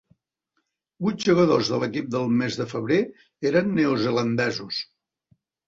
Vuit jugadors de l'equip del mes de febrer eren neozelandesos.